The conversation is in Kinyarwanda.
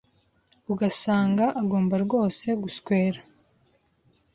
Ugasanga agomba rwose guswera